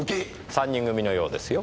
３人組のようですよ。